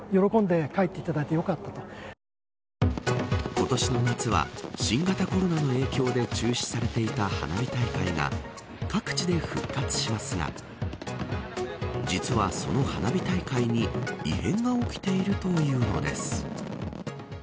今年の夏は新型コロナの影響で中止されていた花火大会が各地で復活しますが実は、その花火大会に異変が起きているというのです。